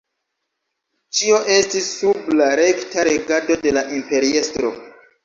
Ĉio estis sub la rekta regado de la imperiestro.